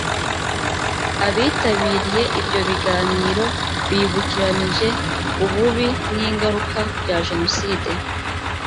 abitabiriye ibyo biganiro bibukiranyije ububi n ingaruka bya jenoside